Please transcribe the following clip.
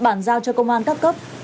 bắt giữ bàn giao cho công an các cấp